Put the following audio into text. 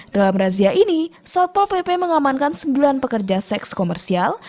dalam razia ini satpol pp mengamankan sembilan pekerja seks komersial